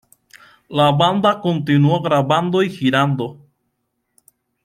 La banda continuó grabando y girando.